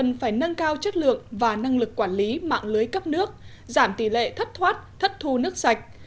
năng cao chất lượng và năng lực quản lý mạng lưới cấp nước giảm tỷ lệ thất thoát thất thu nước sạch